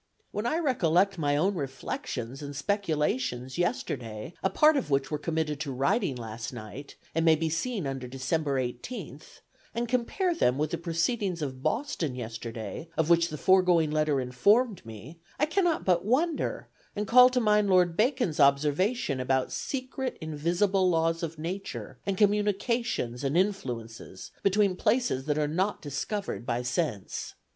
"When I recollect my own reflections and speculations yesterday, a part of which were committed to writing last night, and may be seen under December 18th, and compare them with the proceedings of Boston yesterday, of which the foregoing letter informed me, I cannot but wonder, and call to mind Lord Bacon's observation about secret invisible laws of nature, and communications and influences between places that are not discovered by sense.